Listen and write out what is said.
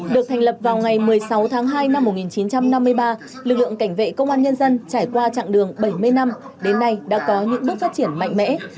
được thành lập vào ngày một mươi sáu tháng hai năm một nghìn chín trăm năm mươi ba lực lượng cảnh vệ công an nhân dân trải qua chặng đường bảy mươi năm đến nay đã có những bước phát triển mạnh mẽ